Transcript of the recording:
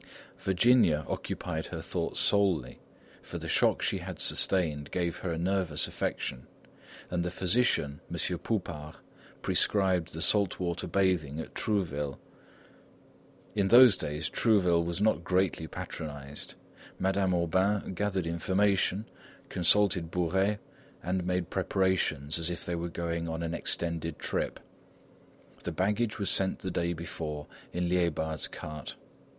Virginia occupied her thoughts solely, for the shock she had sustained gave her a nervous affection, and the physician, M. Poupart, prescribed the saltwater bathing at Trouville. In those days, Trouville was not greatly patronised. Madame Aubain gathered information, consulted Bourais, and made preparations as if they were going on an extended trip. The baggage was sent the day before on Liébard's cart.